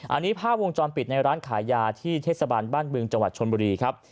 อันนี้ภาพวงจรปิดในร้านขายยาที่เทศบาลบ้านบึงจังหวัดชนบุรีครับ